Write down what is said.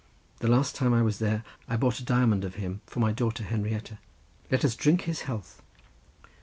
The last time I was there I bought a diamond of him for my daughter Henrietta. Let us drink his health!"